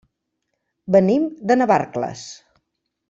Venim de Navarcles.